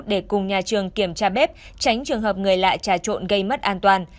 để cùng nhà trường kiểm tra bếp tránh trường hợp người lạ trà trộn gây mất an toàn